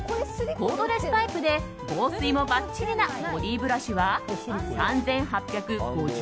コードレスタイプで防水もばっちりなボディブラシは３８５０円。